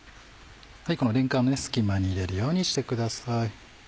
このれんこんの隙間に入れるようにしてください。